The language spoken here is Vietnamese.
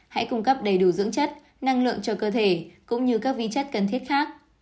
hãy cung cấp đầy đủ dưỡng chất năng lượng cho cơ thể cũng như các vi chất cần thiết khác